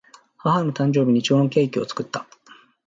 母の誕生日にいちごのケーキを作った